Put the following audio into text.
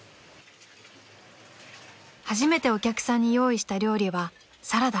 ［初めてお客さんに用意した料理はサラダ］